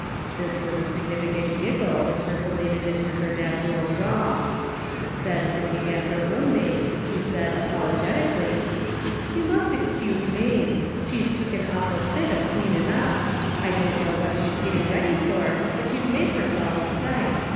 This with a signifi cant giggle interpolated into her natural drawl. Then looking at her roommate, she said, apologetically, "You must excuse Marne. She's took an awful fit of cleanin' up. I don't know what she's getting ready for, but she's made herself a sight.